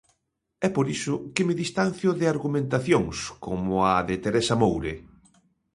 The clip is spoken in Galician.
É por iso que me distancio de argumentacións, como a de Teresa Moure.